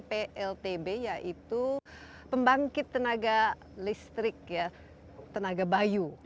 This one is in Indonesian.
pltb yaitu pembangkit tenaga listrik ya tenaga bayu